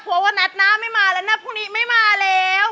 หัววัดนัดนะไม่มาแล้วนะพรุ่งนี้ไม่มาแล้ว